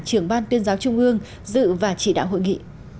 trưởng ban tuyên giáo trung ương dự và chỉ đạo hội nghị